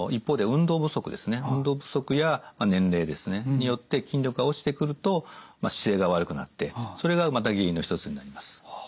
運動不足や年齢ですねによって筋力が落ちてくると姿勢が悪くなってそれがまた原因の一つになります。